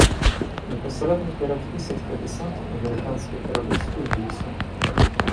Непасрэдна перад высадкай дэсанта амерыканскія караблі спыніліся.